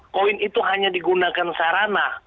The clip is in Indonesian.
koin itu hanya digunakan sarana